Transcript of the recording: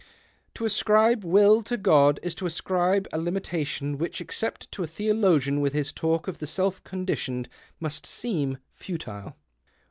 To ascribe will to God is to ascribe a limitation which, except to a theologian with his talk of the self conditioned, must seem futile."